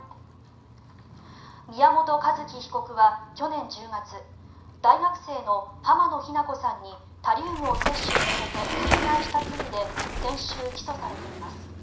宮本一希被告は去年１０月大学生の浜野日菜子さんにタリウムを摂取させて殺害した罪で先週、起訴されています。